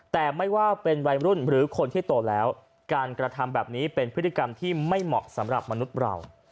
แต่ไม่ว่าเป็นวัยรุ่นหรือคนที่โตแล้วการกระทำแบบนี้เป็นพฤติกรรมที่ไม่เหมาะสำหรับมนุษย์เรา